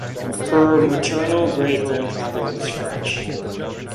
Her maternal great-grandfather was French.